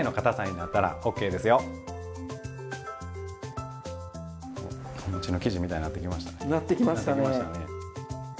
なってきましたね。